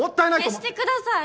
消してください！